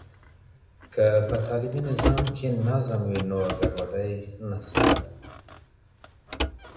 که په تعلیمي نظام کې نظم وي، نو ګډوډي به نشته.